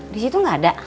disitu gak ada